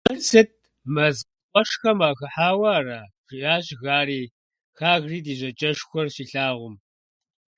«Мыр сыт, мэз къуэшхэм уахыхьауэ ара?» - жиӏащ Гарри, Хагрид и жьакӏэшхуэр щилъагъум.